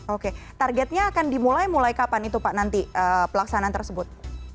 oke targetnya akan dimulai mulai kapan itu pak nanti pelaksanaan tersebut